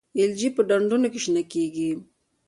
الجی په ډنډونو کې شنه کیږي